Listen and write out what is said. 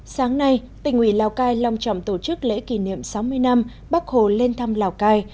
sáng nay tỉnh ủy lào cai long trọng tổ chức lễ kỷ niệm sáu mươi năm bắc hồ lên thăm lào cai